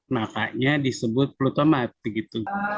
makanya disebut flutomer